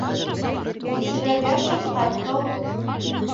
Кеселәргә шәфҡәт ҡыл.